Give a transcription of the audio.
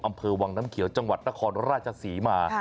อำเภอวังน้ำเขียวจังหวัดนครราชศรีมา